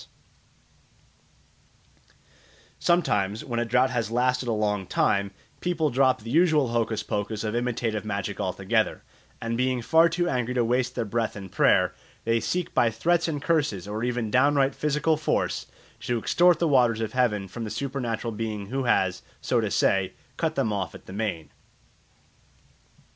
Sometimes, when a drought has lasted a long time, people drop the usual hocus pocus of imitative magic altogether, and being far too angry to waste their breath in prayer they seek by threats and curses or even downright physical force to extort the waters of heaven from the supernatural being who has, so to say, cut them off at the main.